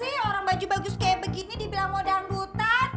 iya apaan sih orang baju bagus kayak begini dibilang modang dutan